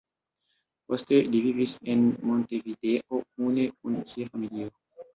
Poste li vivis en Montevideo kune kun sia familio.